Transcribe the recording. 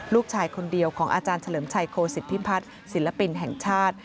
ลูกชายคนเดียวของอาจารย์เฉลิมชัยโคศิพิพัฒน์ศิลปินแห่งชาติ